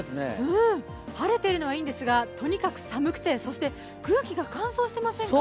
晴れているのはいいんですが、とにかく寒くてそして空気が乾燥していませんか。